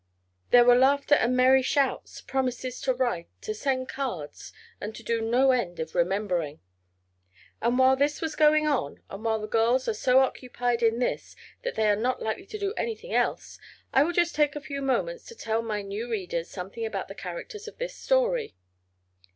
There were laughter and merry shouts, promises to write, to send cards, and to do no end of "remembering." And, while this is going on, and while the girls are so occupied in this that they are not likely to do anything else, I will take just a few moments to tell my new readers something about the characters in this story.